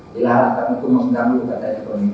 dilarangkan untuk mengganggu katanya bobyut